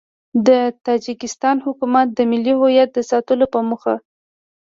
د تاجیکستان حکومت د ملي هویت د ساتلو په موخه